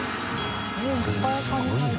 海すごいな。